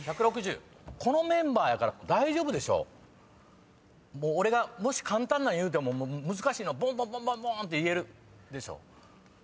このメンバーやから大丈夫でしょ俺がもし簡単なん言うても難しいのぼんぼんぼんぼんぼーんって言えるでしょ？